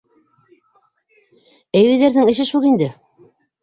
— Әбейҙәрҙең эше шул инде.